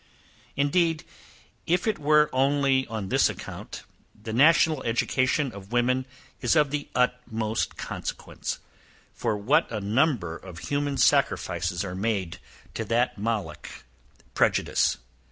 Indeed, if it were only on this account, the national education of women is of the utmost consequence; for what a number of human sacrifices are made to that moloch, prejudice!